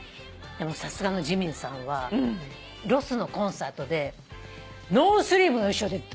でもさすがのＪＩＭＩＮさんはロスのコンサートでノースリーブの衣装でオープニング出てきたの。